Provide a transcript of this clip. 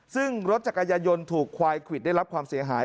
ซึ่งรถจักรยายนต์ถูกควายควิดได้รับความเสียหาย